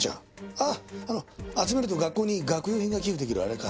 あの集めると学校に学用品が寄付できるあれか？